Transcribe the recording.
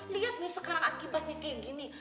lihat nih sekarang akibatnya kayak gini